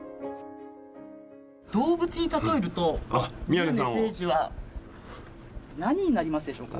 動物に例えると、宮根誠司は何になりますでしょうか？